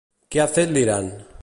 Què ha fet l'Iran?